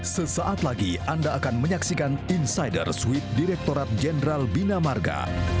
sesaat lagi anda akan menyaksikan insider suite direktorat jenderal bina marga